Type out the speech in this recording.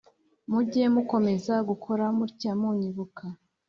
Mujye mukomeza gukora mutya munyibuka